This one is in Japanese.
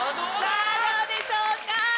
さぁどうでしょうか？